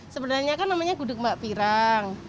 sebenarnya kan namanya gudeg mbak pirang